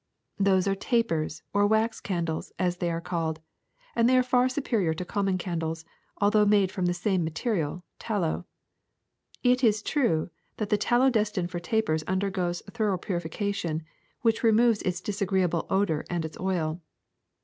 ''^^ Those are tapers, or wax candles, as they are called, and they are far superior to common candles, although made from the same material, tallow. It is true that the tallow destined for tapers undergoes thorough purification, which removes its disagree able odor and its oil.